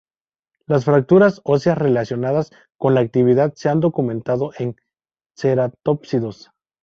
Las fracturas óseas relacionadas con la actividad se han documentado en ceratópsidos.